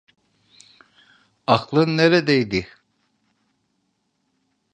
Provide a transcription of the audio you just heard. Aklın neredeydi?